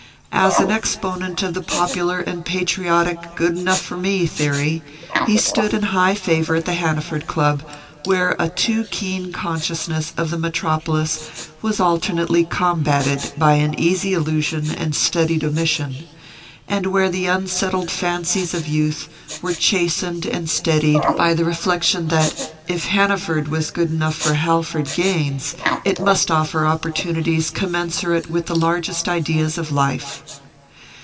As an exponent of the popular and patriotic "good enough for me" theory he stood in high favour at the Hanaford Club, where a too keen consciousness of the metropolis was alternately combated by easy allusion and studied omission, and where the unsettled fancies of youth were chastened and steadied by the reflection that, if Hanaford was good enough for Halford Gaines, it must offer opportunities commensurate with the largest ideas of life.